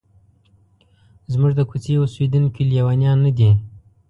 زموږ د کوڅې اوسیدونکي لیونیان نه دي.